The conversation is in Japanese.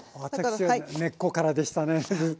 私は根っこからでしたねずっと。